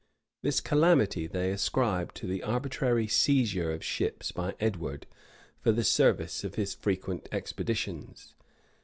This calamity they ascribe to the arbitrary seizure of ships by Edward for the service of his frequent expeditions.